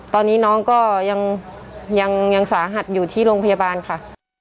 ตอนนี้น้องก็ยังสาหัสอยู่ที่โรงพยาบาลค่ะ